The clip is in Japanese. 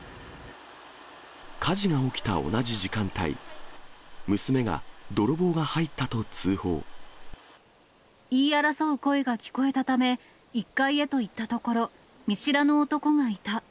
火事が起きた同じ時間帯、言い争う声が聞こえたため、１階へと行ったところ、見知らぬ男がいた。